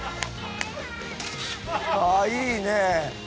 ああいいね。